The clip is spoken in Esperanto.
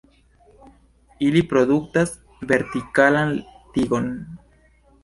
Ili produktas vertikalan tigon.